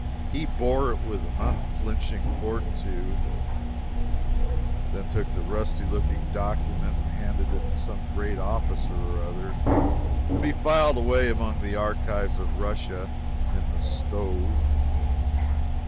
He bore it with unflinching fortitude; then took the rusty looking document and handed it to some great officer or other, to be filed away among the archives of Russia in the stove.